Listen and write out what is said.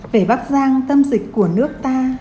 về bắc giang tâm dịch của nước ta